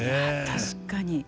確かに。